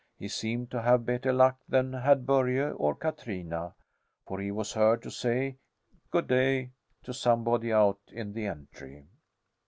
He seemed to have better luck than had Börje or Katrina: for he was heard to say "Go' day" to somebody out in the entry.